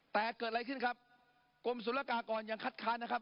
แต่เกิดอะไรขึ้นครับกรมศุลกากรยังคัดค้านนะครับ